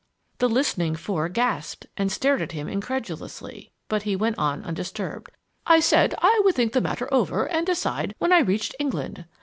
The listening four gasped and stared at him incredulously, but he went on undisturbed. "I said I would think the matter over and decide when I reached England.